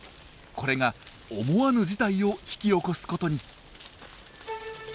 これが思わぬ事態を引き起こすことに。